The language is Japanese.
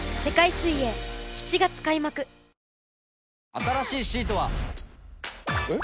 新しいシートは。えっ？